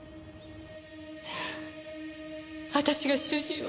私が主人を。